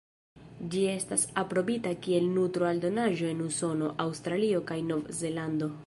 Ĝi estas aprobita kiel nutro-aldonaĵo en Usono, Aŭstralio kaj Nov-Zelando.